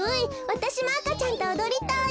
わたしもあかちゃんとおどりたい。